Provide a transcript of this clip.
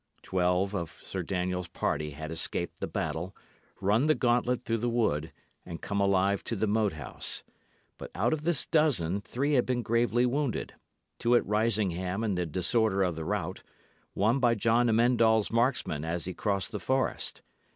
Twelve of Sir Daniel's party had escaped the battle, run the gauntlet through the wood, and come alive to the Moat House. But out of this dozen, three had been gravely wounded: two at Risingham in the disorder of the rout, one by John Amend All's marksmen as he crossed the forest.